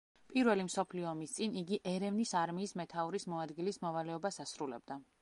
პირველი მსოფლიო ომის წინ იგი ერევნის არმიის მეთაურის მოადგილის მოვალეობას ასრულებდა.